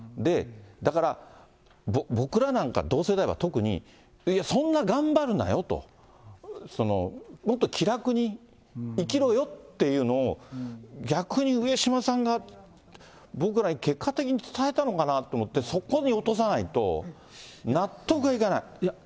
だから、僕らなんか、同世代は特に、いや、そんな頑張るなよと、もっと気楽に生きろよっていうのを、逆に上島さんが僕らに結果的に伝えたのかなと思って、そこに落とさないと、納得がいかない。